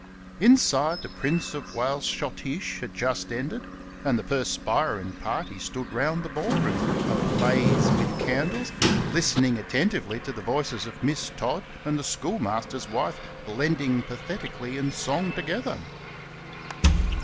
Inside the "Prince of Wales Schottische" had just ended, and the perspiring party stood round the ball room, ablaze with candles, listening attentively to the voices of Miss Tod and the schoolmaster's wife blending pathetically in song together.